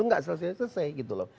nggak selesai selesai gitu loh